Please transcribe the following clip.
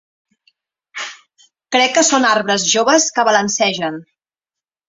Crec que són arbres joves que balancegen.